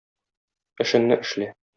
Эшеңне эшлә.